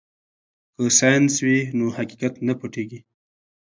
که ساینس وي نو حقیقت نه پټیږي.